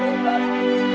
makasih banyak ibu